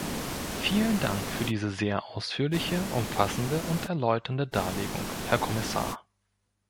Vielen Dank für diese sehr ausführliche, umfassende und erläuternde Darlegung, Herr Kommissar.